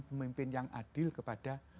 pemimpin yang adil kepada